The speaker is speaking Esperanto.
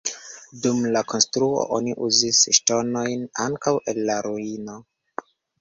Dum la konstruo oni uzis ŝtonojn ankaŭ el la ruino.